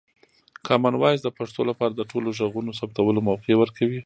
کامن وایس د پښتو لپاره د ټولو غږونو ثبتولو موقع ورکوي.